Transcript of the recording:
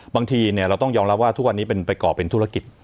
บางทีเราต้องยอมรับว่าทุกวันนี้ไปก่อเป็นธุรกิจ